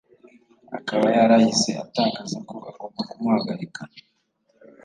akaba yarahise atangaza ko agomba kumuhagarika